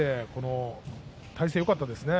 体勢がよかったですね